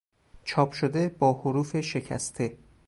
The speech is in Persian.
چاپ شده با حروف شکسته